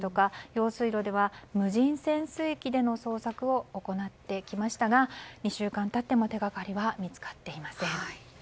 用水路では無人潜水機などでの捜索を行ってきましたが２週間経っても手がかりは見つかっていません。